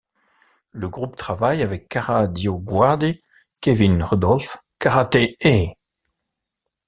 Le groupe travaille avec Kara DioGuardi, Kevin Rudolf, KarateE!